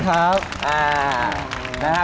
ขอบคุณครับ